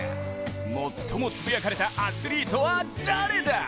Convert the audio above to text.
最もつぶやかれたアスリートは誰だ？